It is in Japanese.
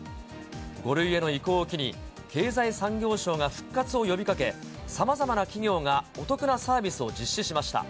５類への移行を機に、経済産業省が復活を呼びかけ、さまざまな企業がお得なサービスを実施しました。